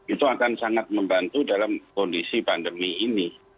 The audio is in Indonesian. itu akan sangat membantu dalam kondisi pandemi ini